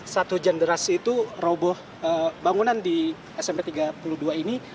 satu hujan deras itu roboh bangunan di smp tiga puluh dua ini